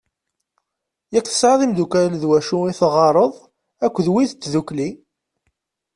Yak tesɛiḍ imddukal d wacu i teɣɣareḍ akked wid n tddukli.